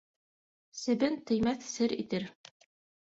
Себен теймәҫ сер итер.